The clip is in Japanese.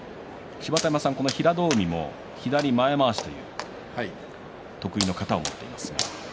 芝田山さん、平戸海、左前まわし得意の型を持ってますね。